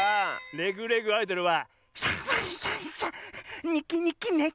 「レグ・レグ・アイドル」は。